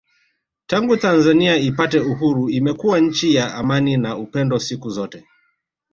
Tangu Tanzania ipate Uhuru imekuwa nchi ya amani na upendo siku zote